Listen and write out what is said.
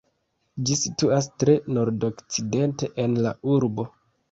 Ĝi situas tre nordokcidente en la urbo.